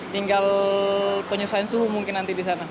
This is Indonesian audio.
tinggal penyesuaian suhu mungkin nanti di sana